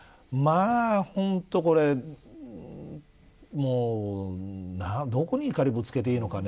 本当これ、どこに怒りをぶつけていいのかね。